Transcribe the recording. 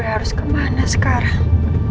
gue harus kemana sekarang